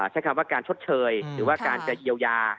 ใช้คำว่าการชดเชยหรือว่าการจะเยียวยา